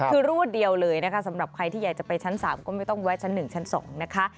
คือรวดเดียวเลยนะคะสำหรับใครที่อยากจะไปชั้น๓ก็ไม่ต้องแวะชั้น๑ชั้น๒นะคะ